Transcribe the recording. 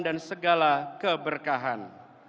dan segala keberkahan